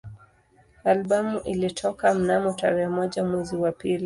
Albamu ilitoka mnamo tarehe moja mwezi wa pili